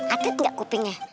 ati enggak kupingnya